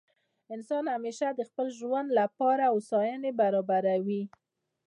انسان همېشه د خپل ژوند له پاره هوسایني برابروي.